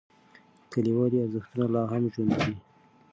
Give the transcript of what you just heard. کلیوالي ارزښتونه لا هم ژوندی دي.